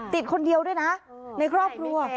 ติดคนเดียวด้วยนะในครอบครัว